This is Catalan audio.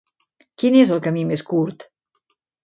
Quin és el camí més curt?